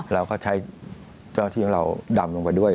เราก็ใช้เจ้าที่ของเราดำลงไปด้วย